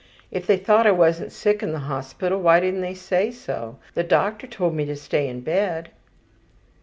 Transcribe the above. If they thought I wasn't sick in the hospital why didn't they say so. The doctor told me to stay in bed.